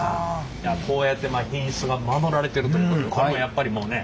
こうやって品質が守られてるということこれもやっぱりもうね。